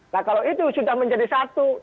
nah kalau itu sudah menjadi satu